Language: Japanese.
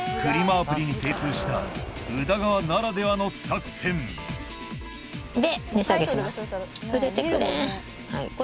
アプリに精通した宇田川ならではの作戦で値下げします。